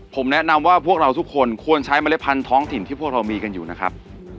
ผมแนะนำว่าพวกเราทุกคนควรใช้เมล็ดพันธ้องถิ่นที่พวกเรามีกันอยู่นะครับ